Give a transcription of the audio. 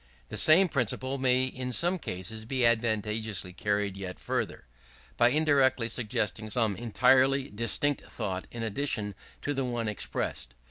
The same principle may in some cases be advantageously carried yet further, by indirectly suggesting some entirely distinct thought in addition to the one expressed.